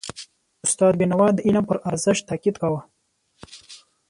استاد بینوا د علم پر ارزښت تاکید کاوه.